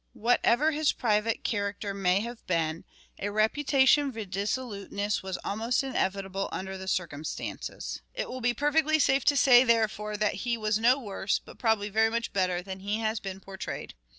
Whatever his private character may have been, a reputation for dissoluteness was almost inevitable under the circumstances. It will be perfectly safe to say, therefore, that he was no worse, but probably very much better, than he has been portrayed.